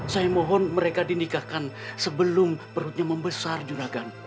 saya mohon mereka dinikahkan sebelum perutnya membesar juragan